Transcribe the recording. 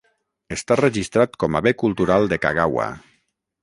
Està registrat com a bé cultural de Kagawa.